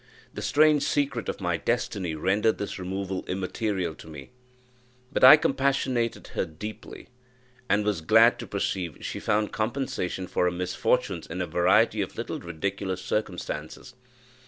The strange secret of my destiny rendered this removal immaterial to me; but I compassionated her deeply, and was glad to perceive that she found compensation for her misfortunes in a variety of little ridiculous circumstances.